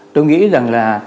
tôi nghĩ rằng là